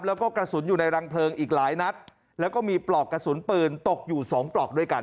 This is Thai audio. แล้วก็กระสุนอยู่ในรังเพลิงอีกหลายนัดแล้วก็มีปลอกกระสุนปืนตกอยู่สองปลอกด้วยกัน